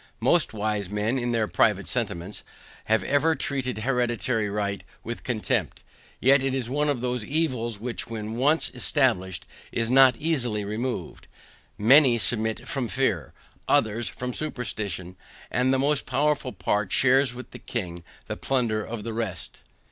Most wise men, in their private sentiments, have ever treated hereditary right with contempt; yet it is one of those evils, which when once established is not easily removed; many submit from fear, others from superstition, and the more powerful part shares with the king the plunder of the rest.